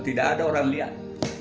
tidak ada orang lihat